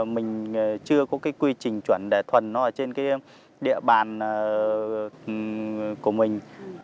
mình chưa có cái quy trình chuẩn để thuần nó ở trên cái địa bàn của mình